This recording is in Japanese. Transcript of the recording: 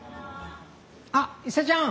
あっ伊勢ちゃん。